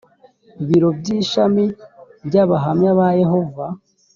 biro by ishami by abahamya ba yehova